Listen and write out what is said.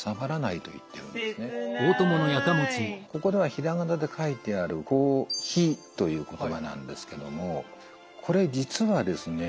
ここでは平仮名で書いてある「こひ」という言葉なんですけどもこれ実はですね